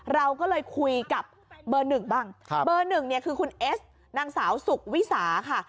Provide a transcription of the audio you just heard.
เราก็เลยคุยกับเบอร์๑บ้างเบอร์๑คือคุณเอสนางสาวสุกวิสาค่ะ